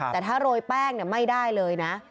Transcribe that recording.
แต่ถ้าโรยแป้งไม่ได้เลยนะ